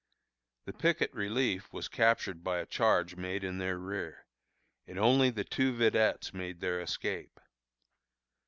The picket relief was captured by a charge made in their rear, and only the two vedettes made their escape.